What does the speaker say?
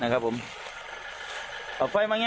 ด้วย